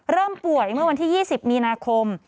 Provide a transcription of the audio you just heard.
เริ่มป่วยเมื่อวันที่๒๐มีนาคม